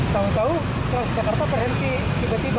tahu tahu transjakarta terhenti tiba tiba